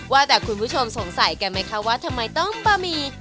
ว่าแต่คุณผู้ชมสงสัยกันไหมคะว่าทำไมต้องบะหมี่